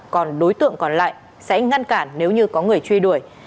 còn đối tượng còn lại sẽ ngăn cản nếu như có người truy đuổi